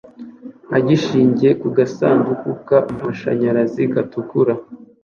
a gishingiye ku gasanduku k'amashanyarazi gatukura